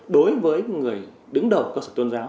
đối với người đứng đầu cơ sở tôn giáo